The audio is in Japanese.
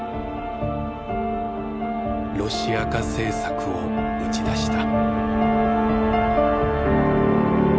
「ロシア化政策」を打ち出した。